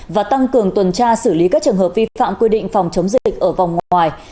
và tăng cường tuần tra xử lý các trường hợp vi phạm quy định phòng chống dịch ở vòng ngoài